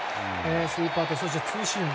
スイーパーとツーシーム。